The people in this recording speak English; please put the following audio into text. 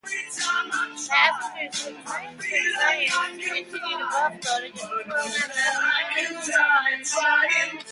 Passengers would transfer trains to continue to Buffalo.